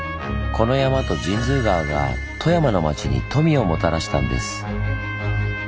この山と神通川が富山の町に富をもたらしたんです。